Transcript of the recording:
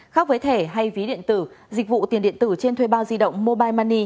khác với thẻ hay ví điện tử dịch vụ tiền điện tử trên thuê bao di động mobile money